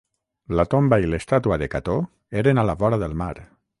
La tomba i l'estàtua de Cató eren a la vora del mar.